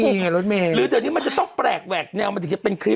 หรือเดี๋ยวนี้มันจะต้องแปลกแหวกแนวมาถึงจะเป็นคลิป